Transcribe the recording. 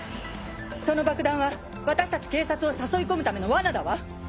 その爆弾は私たち警察を誘い込むための罠だわ。